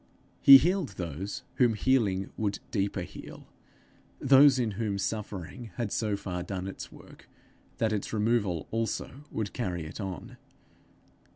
He healed those whom healing would deeper heal those in whom suffering had so far done its work, that its removal also would carry it on.